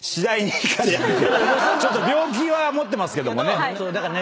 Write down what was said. ちょっと病気は持ってますけどもね。